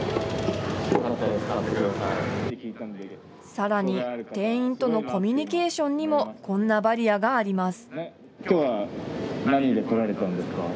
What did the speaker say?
さらに店員とのコミュニケーションにもこんなバリアがあります。